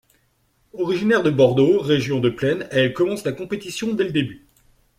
Originaire de Bordeaux, région de plaine, elle commence la compétition dès le début.